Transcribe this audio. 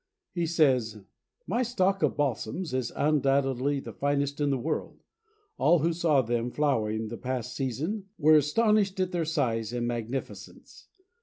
He says: "My stock of Balsams is undoubtedly the finest in the world; all who saw them flowering the past season were astonished at their size and magnificence.